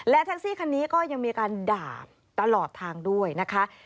แท็กซี่คันนี้ก็ยังมีอาการด่าตลอดทางด้วยนะคะ